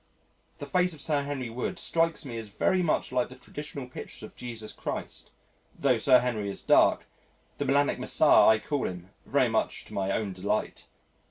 The face of Sir Henry Wood strikes me as very much like the traditional pictures of Jesus Christ, tho' Sir Henry is dark the melanic Messiah I call him (very much to my own delight).